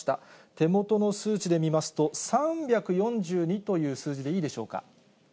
手元の数値で見ますと、３４２という数字でいいでしょうか。